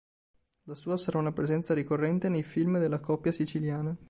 La sua sarà una presenza ricorrente nei film della coppia siciliana.